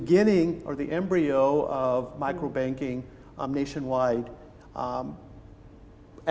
dan ini adalah awal atau pembinaan mikrobanking di seluruh negara